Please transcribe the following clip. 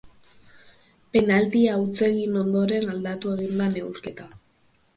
Penaltia huts egin ondoren, aldatu egin da neurketa.